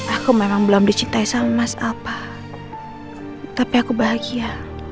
aku memang belum dicintai sama mas apa tapi aku bahagia